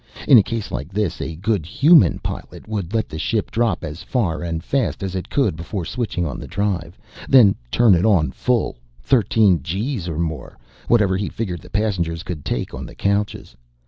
In a case like this a good human pilot would let the ship drop as far and fast as it could before switching on the drive. Then turn it on full thirteen gees or more, whatever he figured the passengers could take on the couches.